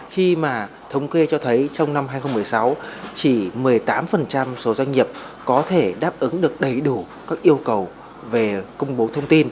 khi mà thống kê cho thấy trong năm hai nghìn một mươi sáu chỉ một mươi tám số doanh nghiệp có thể đáp ứng được đầy đủ các yêu cầu về công bố thông tin